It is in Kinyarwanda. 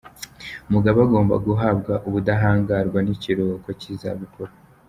Mugabe agomba guhabwa ubudahangarwa n’ikiruhuko cy’izabukuru